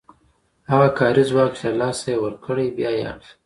هغه کاري ځواک چې له لاسه یې ورکړی بیا اخلي